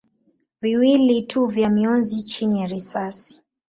viwili tu vya mionzi chini ya risasi.